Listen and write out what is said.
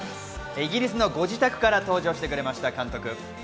イギリスのご自宅から登場してくれました。